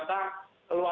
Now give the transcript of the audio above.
tapi intinya bahwa